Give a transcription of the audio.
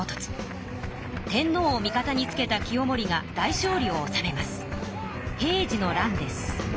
天皇を味方につけた清盛が大勝利をおさめます。